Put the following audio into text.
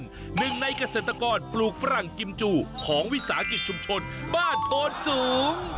หนึ่งในเกษตรกรปลูกฝรั่งกิมจูของวิสาหกิจชุมชนบ้านโพนสูง